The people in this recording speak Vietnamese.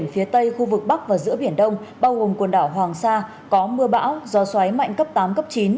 phía tây khu vực bắc và giữa biển đông bao gồm quần đảo hoàng sa có mưa bão gió xoáy mạnh cấp tám cấp chín